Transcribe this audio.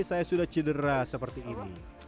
saya sudah cedera seperti ini